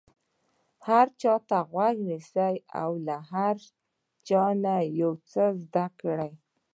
هر چا ته غوږ ونیسئ او له هر چا یو څه زده کړئ.